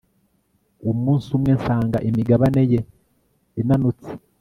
Umunsi umwe nsanga imigabane ye inanutse